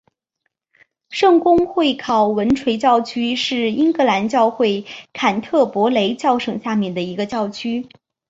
圣公会考文垂教区是英格兰教会坎特伯雷教省下面的一个教区。